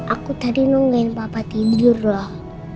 aku tadi nungguin papa tidur loh